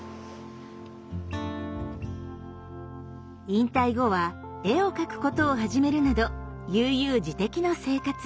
引退後は絵を描くことを始めるなど悠々自適の生活。